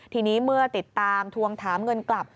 ทีนี้เมื่อติดตามทวงถามเงินกลับ